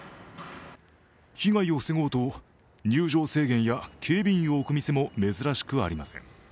被害を防ごうと入場制限や警備員を置く店も珍しくありません。